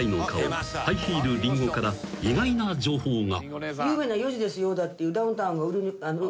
ハイヒールリンゴから意外な情報が］